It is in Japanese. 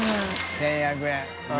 １１００円。